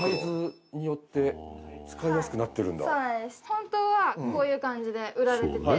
本当はこういう感じで売られてて。